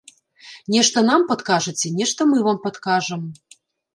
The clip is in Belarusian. Нешта нам падкажаце, нешта мы вам падкажам.